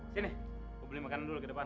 sini gue beli makanan dulu ke depan